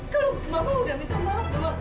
kalau mama sudah minta maaf